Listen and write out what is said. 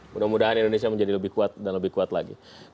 mudah mudahan indonesia menjadi lebih kuat dan lebih kuat lagi